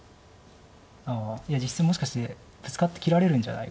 実戦もしかしてブツカって切られるんじゃないか。